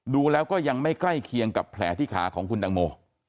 ดูแล้วก็ยังไม่ใกล้เคียงกับแผลที่ขาของคุณตังโม